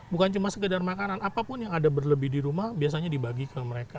bukan cuma sekedar makanan apapun yang ada berlebih di rumah biasanya dibagi ke mereka